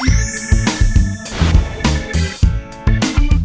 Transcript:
โว้ง